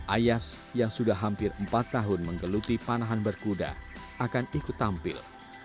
ayas yang sudah hampir empat tahun menggeluti panahan berkuda akan ikut tampil